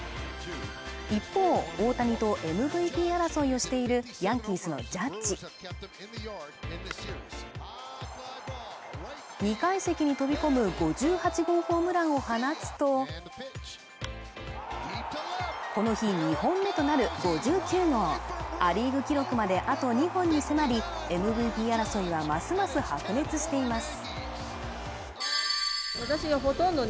一方大谷とＭＶＰ争いをしているヤンキースのジャッジ２階席に飛び込む５８号ホームランを放つとこの日２本目となる５９号ア・リーグ記録まであと２本に迫りＭＶＰ争いはますます白熱しています